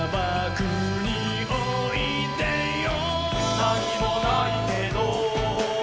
「なにもないけど」